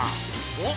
お？